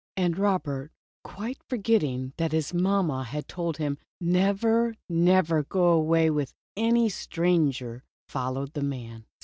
And Robert, quite forgetting that his mamma had told him never, never to go away with any stranger, followed the man.